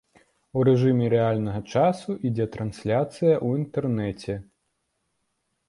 У рэжыме рэальнага часу ідзе трансляцыя ў інтэрнэце.